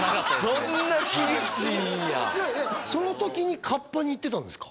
そんな厳しいんやその時にかっぱに行ってたんですか？